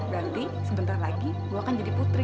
berarti sebentar lagi gua akan jadi putri